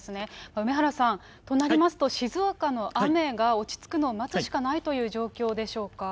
梅原さん、となりますと、静岡の雨が落ち着くのを待つしかないという状況でしょうか。